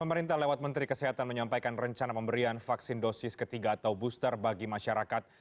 pemerintah lewat menteri kesehatan menyampaikan rencana pemberian vaksin dosis ketiga atau booster bagi masyarakat